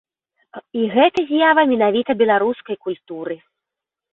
І гэта з'ява менавіта беларускай культуры!